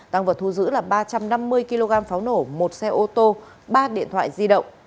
tăng vật thu giữ là ba trăm năm mươi kg pháo nổ một xe ô tô ba điện thoại di động